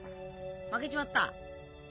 負けちまった。